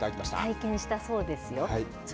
体験したそうですよ。